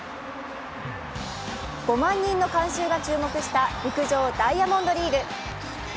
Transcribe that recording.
５万人の観衆が注目した陸上・ダイヤモンドリーグ。